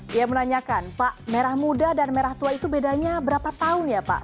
dia menanyakan pak merah muda dan merah tua itu bedanya berapa tahun ya pak